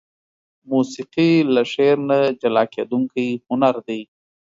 موسيقي له شعر نه جلاکيدونکى هنر دى.